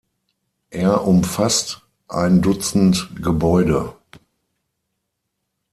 Er umfasst ein Dutzend Gebäude.